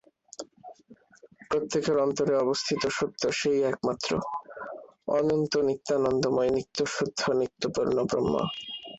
প্রত্যেকের অন্তরে অবস্থিত সত্য সেই একমাত্র অনন্ত নিত্যানন্দময় নিত্যশুদ্ধ নিত্যপূর্ণ ব্রহ্ম।